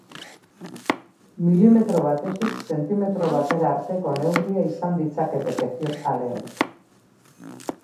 Milimetro batetik zentimetro batera arteko neurria izan ditzakete kefir aleek.